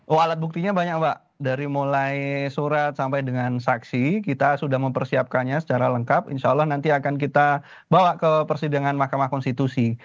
oh alat buktinya banyak mbak dari mulai surat sampai dengan saksi kita sudah mempersiapkannya secara lengkap insya allah nanti akan kita bawa ke persidangan mahkamah konstitusi